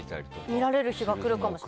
見られる日が来るかも。